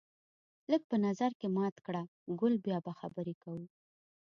لږ په نظر کې مات کړه ګل بیا به خبرې کوو